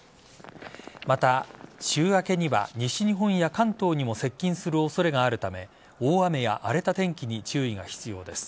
また、週明けには西日本や関東にも接近する恐れがあるため大雨や荒れた天気に注意が必要です。